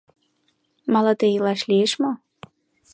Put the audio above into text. Малыде илаш лиеш мо?